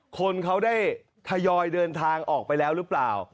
คนเขาได้ทยอยเดินทางออกไปแล้วหรือเปล่า